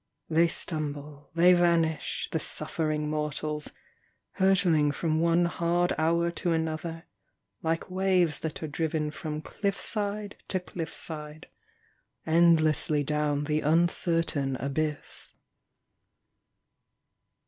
They stumble, they vanish, The suffering mortals, Hurtling from one hard Hour to another, Like waves that are driven From cliff side to cliff side, Endlessly down the uncertain abyss.